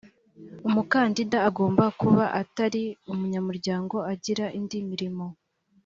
umukandida agomba kuba atari umunyamuryango agira indi mirimo